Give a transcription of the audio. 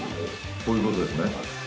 こういうことですね。